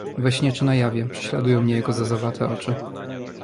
"We śnie czy na jawie prześladują mnie jego zezowate oczy."